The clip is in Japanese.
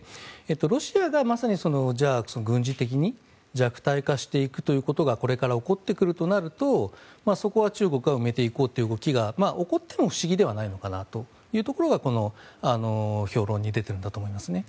ロシアがまさに、じゃあ軍事的に弱体化していくということがこれから起こってくるとなるとそこは中国は埋めていこうという動きが起こっても不思議ではないのかなというところがこの評論に出ているんだと思いますね。